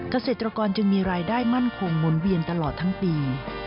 เกษตรกรจึงมีรายได้มั่นคงหมุนเวียนตลอดทั้งปี